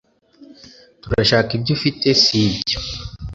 turashaka ibyo ufite, si byo